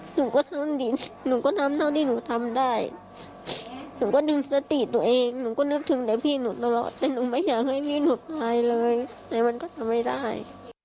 หนูก็ทำดีหนูก็ทำเท่าที่หนูทำได้หนูก็ดึงสติตัวเองหนูก็นึกถึงแต่พี่หนูตลอดแต่หนูไม่อยากให้พี่หนูตายเลยแต่มันก็ทำไม่ได้